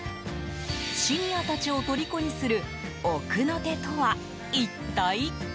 シニアたちをとりこにする奥の手とは一体？